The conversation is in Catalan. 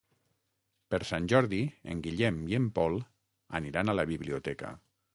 Per Sant Jordi en Guillem i en Pol aniran a la biblioteca.